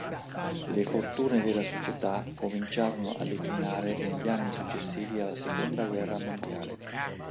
Le fortune della società cominciarono a declinare negli anni successivi alla Seconda Guerra Mondiale.